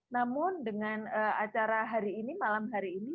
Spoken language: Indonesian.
namun dengan acara hari ini malam hari ini